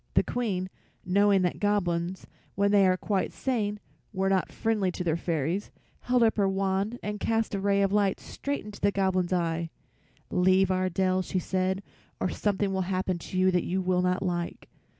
The Queen, knowing that Goblins, when they were quite sane, were not friendly to her fairies, held up her wand and cast a ray of light straight into the Goblin's eye. "Leave our dell," she said, "or something will happen to you that you will not like."